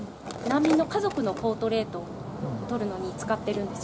難民の家族のポートレートを撮るのに使ってるんですよ。